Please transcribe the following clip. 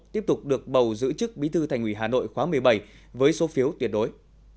tiếp tục được bầu giữ chức bí thư thành ủy hà nội khóa một mươi bảy với số phiếu tuyệt đối